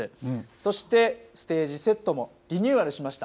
そしてステージセットもリニューアルしました。